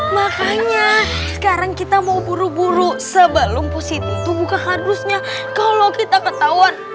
makanya sekarang kita mau buru buru sebelum positif buka kardusnya kalau kita ketahuan